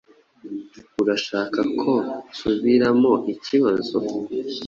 Urashaka ko nsubiramo ikibazo?